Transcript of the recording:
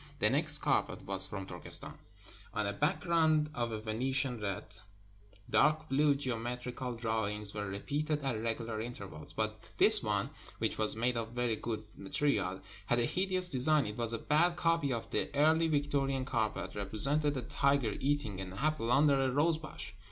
The next carpet was from Turkestan. On a background of Vene tian red, dark blue geometrical drawings were repeated at regular intervals. But this one, which was made of very good material, had a hideous design. It was a bad copy of the Early Victorian carpet, representing a tiger eating an apple under a rosebush.